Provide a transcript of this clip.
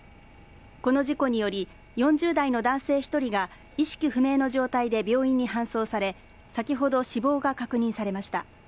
この事故により４０代の男性１人が意識不明の状態で病院に搬送され先ほど死亡が確認されました。